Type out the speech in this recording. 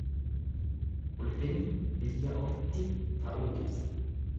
Ulfinni biyya ofitti ta'uu ibsa.